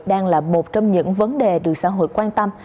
đang là một trong những vấn đề được xã hội quan tâm